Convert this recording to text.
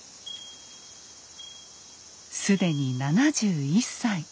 既に７１歳。